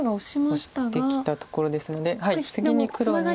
オシてきたところですので次に黒に。